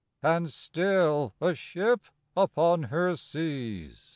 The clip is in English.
And still, a ship upon her seas.